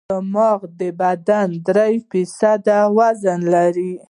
دماغ د بدن درې فیصده وزن لري.